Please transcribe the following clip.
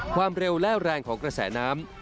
ความเร็วและแรงของกระแสน้ำ